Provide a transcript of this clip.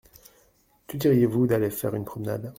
Que diriez-vous d’aller faire une promenade ?